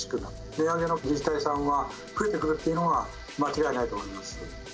値上げの自治体さんが増えてくるっていうのは、間違いないと思います。